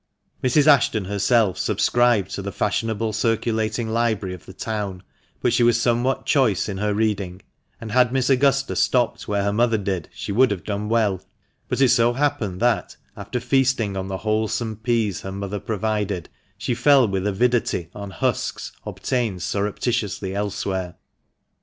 Mrs. Ashton herself subscribed to the fashionable circulating library of the town, but she was somewhat choice in her reading, and had Miss Augusta stopped where her mother did she would have done welL But it so happened that, after feasting on the wholesome peas her mother provided, she fell with avidity on husks obtained surreptitiously elsewhere.